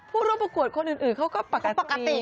ผู้ร่วมประกวดคนอื่นเขาก็ปกติ